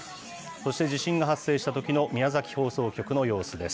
そして地震が発生したときの宮崎放送局の様子です。